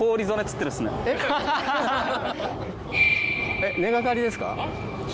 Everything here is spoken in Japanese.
えっ根掛かりですか？